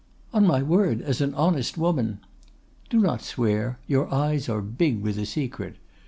"'On my word, as an honest woman——' "'Do not swear; your eyes are big with a secret.